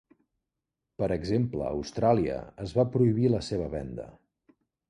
Per exemple a Austràlia es va prohibir la seva venda.